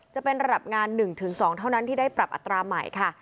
จะเป็นระดับงาน๑๒เท่านั้นที่ได้ปรับอัตราใหม่ค่ะ